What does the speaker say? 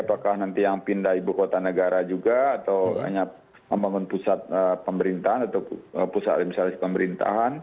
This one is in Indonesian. apakah nanti yang pindah ibu kota negara juga atau hanya membangun pusat pemerintahan atau pusat misalnya pemerintahan